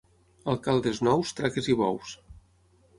Alcaldes nous, traques i bous.